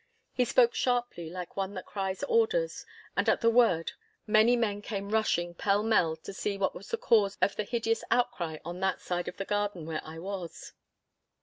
He spoke sharply like one that cries orders, and at the word many men came rushing pell mell to see what was the cause of the hideous outcry on that side of the garden where I was.